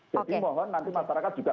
jadi mohon nanti masyarakat juga